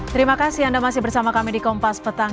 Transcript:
terima kasih anda masih bersama kami di kompas petang